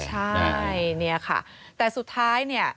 ใช่เนี่ยค่ะแต่สุดท้ายเนี่ย